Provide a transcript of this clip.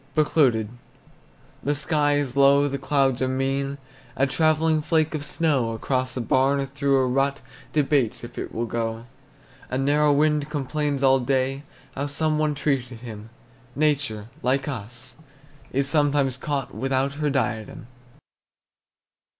BECLOUDED. The sky is low, the clouds are mean, A travelling flake of snow Across a barn or through a rut Debates if it will go. A narrow wind complains all day How some one treated him; Nature, like us, is sometimes caught Without her diadem.